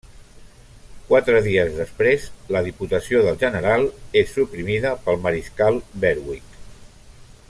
Quatre dies després, la Diputació del General és suprimida pel mariscal Berwick.